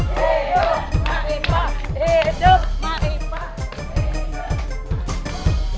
hidup maipa hidup maipa